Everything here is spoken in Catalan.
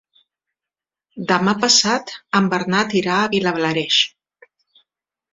Demà passat en Bernat irà a Vilablareix.